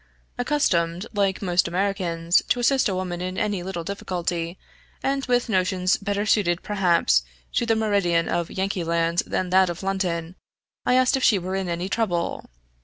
Accustomed, like most Americans, to assist a woman in any little difficulty, and with notions better suited perhaps to the meridian of Yankee land than that of London, I asked if she were in any trouble.